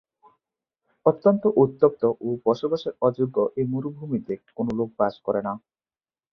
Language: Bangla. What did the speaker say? অত্যন্ত উত্তপ্ত ও বসবাসের অযোগ্য এই মরুভূমিতে কোন লোক বাস করে না।